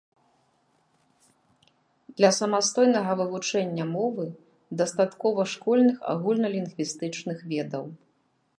Для самастойнага вывучэння мовы дастаткова школьных агульналінгвістычных ведаў.